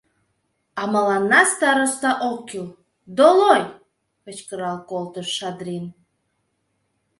— А мыланна староста ок кӱл, долой! — кычкырал колтыш Шадрин.